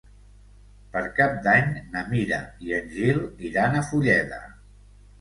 Per Cap d'Any na Mira i en Gil iran a Fulleda.